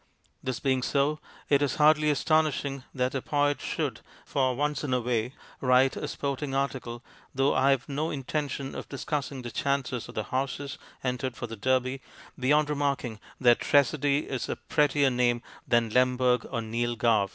This being so, it is hardly astonishing that a poet should, for once in a way, write a sporting article, though I have no intention of discussing the chances of the horses entered for the Derby, beyond remarking that Tressady is a pret tier name than Lemberg or Neil Gow.